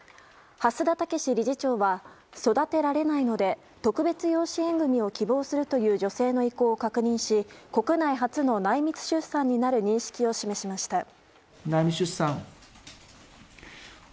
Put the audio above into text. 蓮田健理事長は育てられないので特別養子縁組を希望するという女性の意向を確認し国内初の内密出産になる認識を示しました。